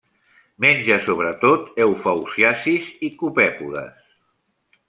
Menja sobretot eufausiacis i copèpodes.